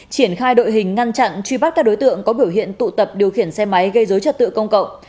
triển khai đội hình ngăn chặn truy bắt các đối tượng có biểu hiện tụ tập điều khiển xe máy gây dối trật tự công cộng